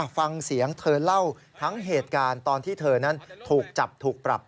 ฟังเสียงเธอเล่าทั้งเหตุการณ์ตอนที่เธอนั้นถูกจับถูกปรับ